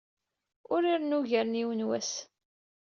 Ur irennu ugar n yiwen wass.